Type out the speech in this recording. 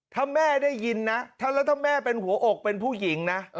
ถ้าแม่ได้ยินนะแล้วถ้าแม่เป็นหัวอกเป็นผู้หญิงนะ